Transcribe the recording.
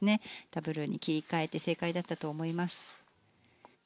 ダブルに切り替えて正解だったと思います。